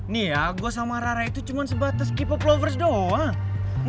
nih ya gue sama rara itu cuma sebatas keeper lovers doang